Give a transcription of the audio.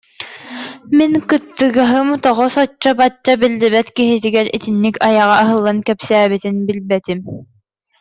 Мин кыттыгаһым тоҕо соччо-бачча билбэт киһитигэр итинник айаҕа аһыллан кэпсээбитин билбэтим